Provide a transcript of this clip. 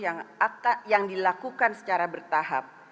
yang akad yang dilakukan secara bertahap